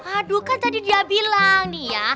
aduh kan tadi dia bilang nih ya